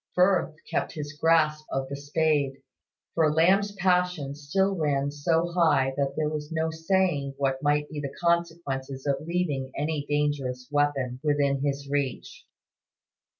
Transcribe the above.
Firth kept his grasp of the spade; for Lamb's passion still ran so high that there was no saying what might be the consequences of leaving any dangerous weapon within his reach.